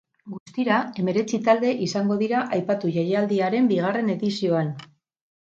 Guztira hemeretzi talde izango dira aipatu jaialdiaren bigarren edizioan.